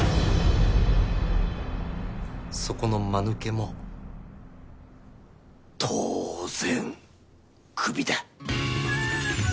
そこの間抜けも当然クビだ。